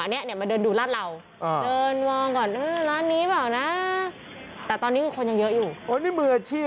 และก็ไม่เคยไปมีฝ่าเล่าบะแว้งกับใครด้วย